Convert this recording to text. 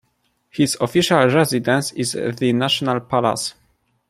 His official residence is the National Palace.